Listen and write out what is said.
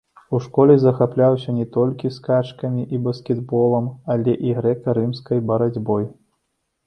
У школе захапляўся не толькі скачкамі і баскетболам, але і грэка-рымскай барацьбой.